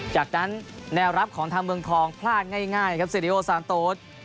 จากนั้นแนวรับของทางเมืองทองพลาดง่ายครับเซริโอซานโต๊ด